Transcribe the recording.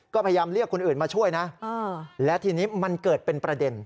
ก็พยายามเรียกคนอื่นมาช่วยนะและทีนี้มันเกิดเป็นประเด็น